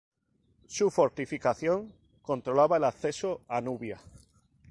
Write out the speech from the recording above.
Su fortificación controlaba el acceso a Nubia.